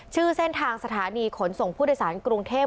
ชื่อเส้นทางสถานีขนส่งผู้โดยสารกรุงเทพ